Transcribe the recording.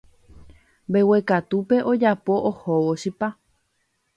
Mbeguekatúpe ojapo ohóvo chipa.